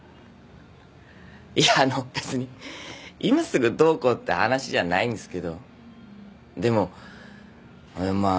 いやあの別に今すぐどうこうって話じゃないんすけどでも俺まあ